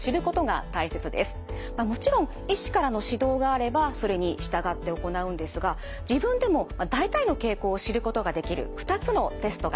まあもちろん医師からの指導があればそれに従って行うんですが自分でも大体の傾向を知ることができる２つのテストがあります。